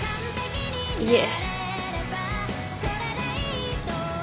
いえ。